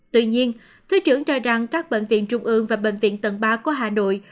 tuy nhiên thứ trưởng cho rằng các bệnh viện trung ương và bệnh viện tận ba của hà nội